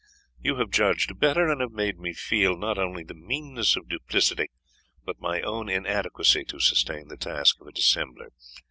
You have judged better, and have made me feel, not only the meanness of duplicity, but my own inadequacy to sustain the task of a dissembler.